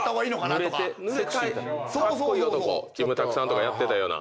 キムタクさんとかやってたような。